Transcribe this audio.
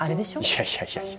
いやいやいや。